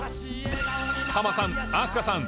ハマさん飛鳥さん